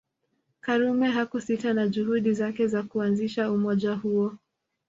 Karume hakusita na juhudi zake za kuanzisha umoja huo